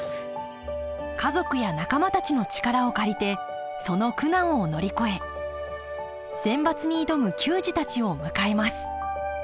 家族や仲間たちの力を借りてその苦難を乗り越えセンバツに挑む球児たちを迎えます